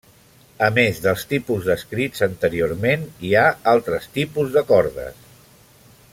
A més dels tipus descrits anteriorment hi ha altres tipus de cordes.